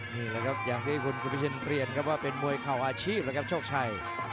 นี่แหละครับอย่างที่คุณสุภาชินเรียนครับว่าเป็นมวยเข่าอาชีพแล้วครับโชคชัย